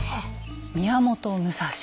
宮本武蔵。